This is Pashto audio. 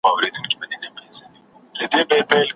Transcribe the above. پر آغاز یمه پښېمانه له انجامه ګیله من یم